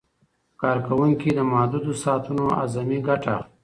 کارکوونکي د محدودو ساعتونو اعظمي ګټه اخلي.